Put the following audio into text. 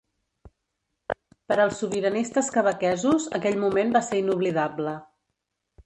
Per als sobiranistes quebequesos, aquell moment va ser inoblidable.